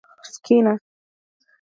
Skinner.